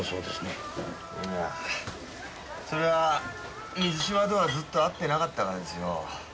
ああそれは水嶋とはずっと会ってなかったからですよ。